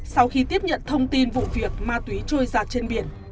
sau khi tiếp nhận thông tin vụ việc ma túy trôi giặt trên biển